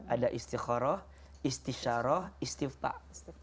ada istikhara istisyarah istiftah